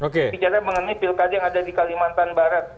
bicara mengenai pilkada yang ada di kalimantan barat